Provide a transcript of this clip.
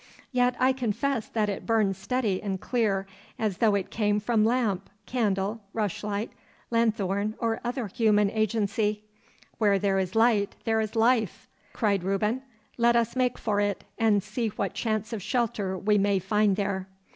Yet I confess that it burns steady and clear, as though it came from lamp, candle, rushlight, lanthorn, or other human agency.' 'Where there is light there is life,' cried Reuben. 'Let us make for it, and see what chance of shelter we may find there.